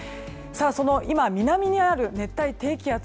今、南にある熱帯低気圧。